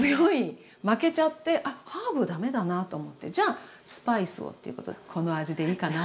負けちゃってあハーブ駄目だなと思ってじゃあスパイスをということでこの味でいいかなと。